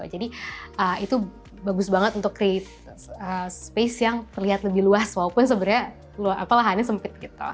itu bagus banget untuk create space yang terlihat lebih luas walaupun sebenarnya lahannya sempit gitu